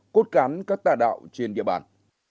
cốt cán các tài đạo trên địa bàn